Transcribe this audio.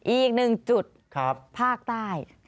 อีกหนึ่งจุดภาคใต้